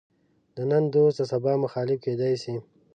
د نن دوست د سبا مخالف کېدای شي.